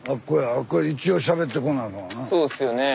そうっすよねえ。